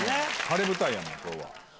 晴れ舞台やもん今日は。